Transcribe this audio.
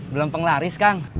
belum penglaris kang